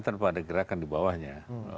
tanpa ada gerakan di bawahnya